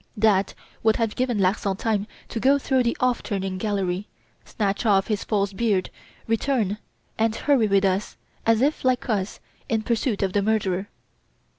That would have given Larsan time to go through the 'off turning' gallery, snatch off his false beard, return, and hurry with us as if, like us, in pursuit of the murderer.